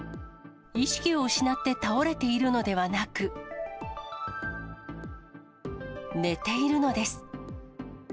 意識を失って倒れているのではなく、寝ているのです。